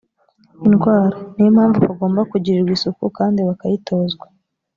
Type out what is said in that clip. indwara ni yo mpamvu bagomba kugirirwa isuku kandi bakayitozwa